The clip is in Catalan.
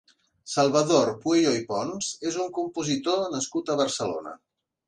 Salvador Pueyo i Pons és un compositor nascut a Barcelona.